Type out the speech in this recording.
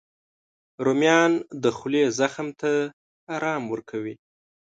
رومیان د خولې زخم ته ارام ورکوي